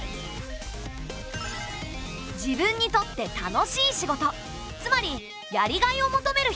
自分にとって楽しい仕事つまりやりがいを求める人。